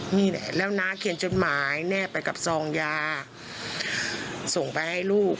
นี่แหละแล้วน้าเขียนจดหมายแนบไปกับซองยาส่งไปให้ลูก